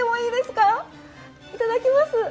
いただきます。